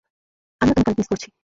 আমিও তোমাকে অনেক মিস করেছি।